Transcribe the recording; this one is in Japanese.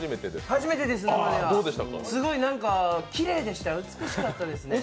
初めてです、すごいきれいでした、美しかったですね。